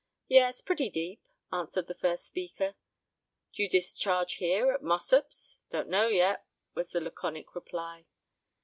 "Yes—pretty deep," answered the first speaker. "Do you discharge here, at Mossop's?" "Don't know yet," was the laconic reply.